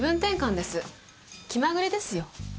気まぐれですよ。